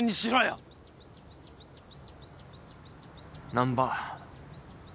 難破。